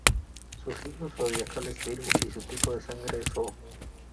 Su signo zodiacal es Virgo y su tipo de sangre es "O".